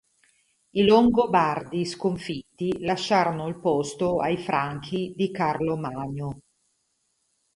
I Longobardi, sconfitti, lasciarono il posto ai Franchi di Carlo Magno.